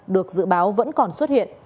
được dự báo vẫn còn xuất hiện